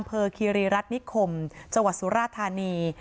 อันเปอร์คีหรีรัฐนิคคมจวดสุรทานี